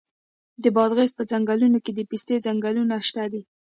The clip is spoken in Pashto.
د بادغیس په څنګلونو کې د پستې ځنګلونه شته دي.